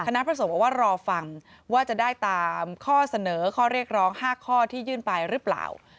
พระสงฆ์บอกว่ารอฟังว่าจะได้ตามข้อเสนอข้อเรียกร้อง๕ข้อที่ยื่นไปหรือเปล่า